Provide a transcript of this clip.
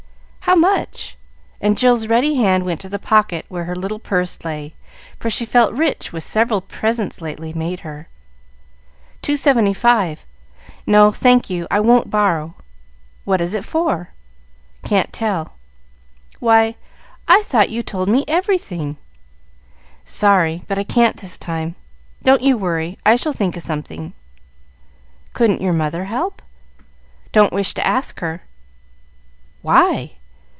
"How much?" and Jill's ready hand went to the pocket where her little purse lay, for she felt rich with several presents lately made her. "Two seventy five. No, thank you, I won't borrow." "What is it for?" "Can't tell." "Why, I thought you told me everything." "Sorry, but I can't this time. Don't you worry; I shall think of something." "Couldn't your mother help?" "Don't wish to ask her." "Why!